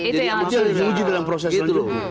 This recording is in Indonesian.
jadi harus di uji dengan proses lanjut